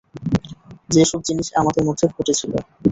যেসব জিনিস আমাদের মধ্যে ঘটেছিল।